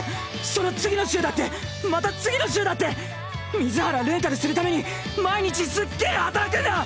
その次の週だってまた次の週だって水原レンタルするために毎日すっげぇ働くんだ！